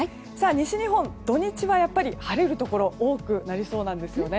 西日本、土日はやっぱり晴れるところ多くなりそうなんですよね。